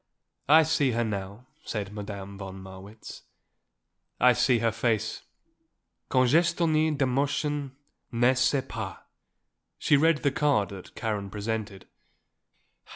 "I see her now," said Madame von Marwitz. "I see her face; congestionnée d'émotion, n'est ce pas." She read the card that Karen presented.